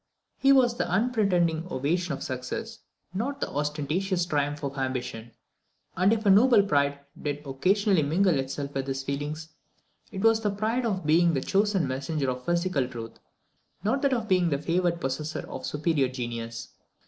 His was the unpretending ovation of success, not the ostentatious triumph of ambition; and if a noble pride did occasionally mingle itself with his feelings, it was the pride of being the chosen messenger of physical truth, not that of being the favoured possessor of superior genius.